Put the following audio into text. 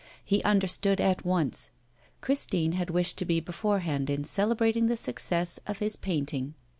He understood at once. Christine had wished to be beforehand in celebrating the success of his painting.